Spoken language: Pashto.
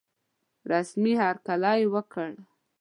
رسمي هرکلی وکړ.